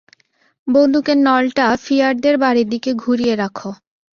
বন্দুকের নলটা ফিয়ারদের বাড়ির দিকে ঘুরিয়ে রাখো।